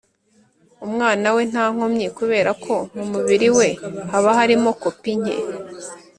Umwana we nta nkomyi kubera ko mu mubiri we haba harimo kopi nke